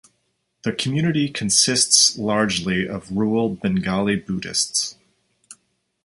The community consists largely of rural Bengali Buddhists.